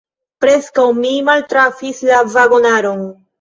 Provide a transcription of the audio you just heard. Preskaŭ mi maltrafis la vagonaron.